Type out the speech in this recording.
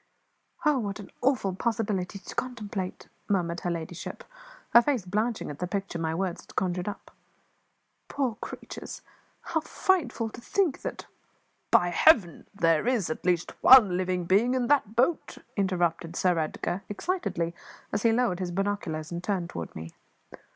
"Oh, what an awful possibility to contemplate!" murmured her ladyship, her face blanching at the picture my words had conjured up. "Poor creatures! how frightful to think that " "By Heaven, there is at least one living being in that boat!" interrupted Sir Edgar, excitedly, as he lowered his binoculars and turned to me.